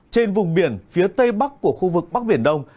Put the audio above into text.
trên vùng biển phía tây bắc của khu vực bắc biển đông